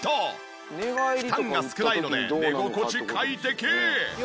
負担が少ないので寝心地快適！